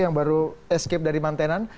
yang baru escape dari mantenan